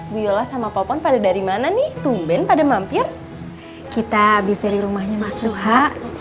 bu yola sama popon pada dari mana nih tumben pada mampir kita abis dari rumahnya mas loha